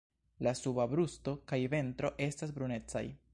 La suba brusto kaj ventro estas brunecaj.